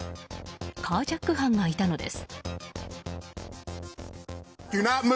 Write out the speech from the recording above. カージャック犯がいたのです。